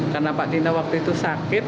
karena pak dina waktu itu sakit